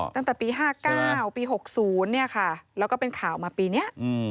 ตั้งแต่ปี๕๙ปี๖๐แล้วก็เป็นข่าวมาปีนี้